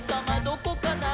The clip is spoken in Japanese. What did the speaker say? どこかな？」